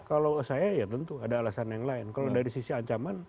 kalau saya ya tentu ada alasan yang lain kalau dari sisi ancaman